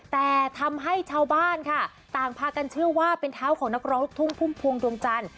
แต่ทำให้ชาวบ้านค่ะต่างพากันเชื่อว่าเป็นเท้าของนักร้องลูกทุ่งพุ่มพวงดวงจันทร์